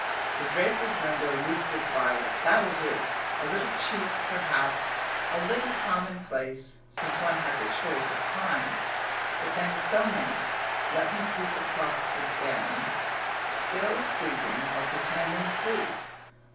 The draper's window looped with violet that'll do; a little cheap perhaps, a little commonplace since one has a choice of crimes, but then so many (let me peep across again still sleeping, or pretending sleep!